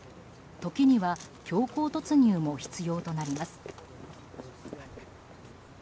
時には強行突入も必要となります。